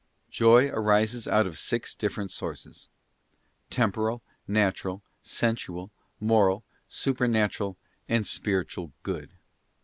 Joy arises out of six different sources; temporal, natural, sensual, moral, supernatural, and spiritual good.